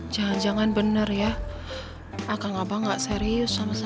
jangan jangan bener ya akan abah gak serius sama saya